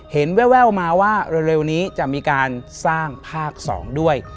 แววมาว่าเร็วนี้จะมีการสร้างภาค๒ด้วย